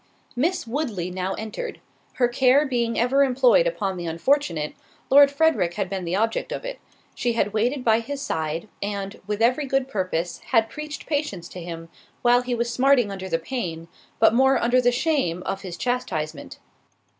Miss Woodley now entered; her care being ever employed upon the unfortunate, Lord Frederick had been the object of it: she had waited by his side, and, with every good purpose, had preached patience to him, while he was smarting under the pain, but more under the shame, of his chastisement.